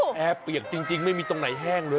แอร์เปียกจริงไม่มีตรงไหนแห้งเลย